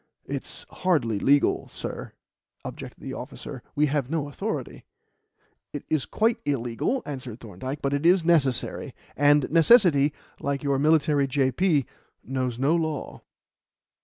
"It's hardly legal, sir," objected the officer. "We have no authority." "It is quite illegal," answered Thorndyke; "but it is necessary; and necessity like your military J.P. knows no law."